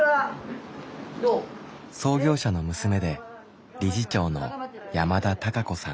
創業者の娘で理事長の山田多佳子さん。